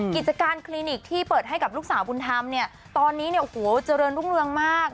กิจการคลินิกที่เปิดให้กับลูกสาวบุญธรรมตอนนี้เจริญรุ่งเรืองมาก